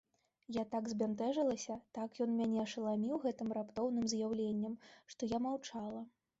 Я так збянтэжылася, так ён мяне ашаламаніў гэтым раптоўным з'яўленнем, што я маўчала.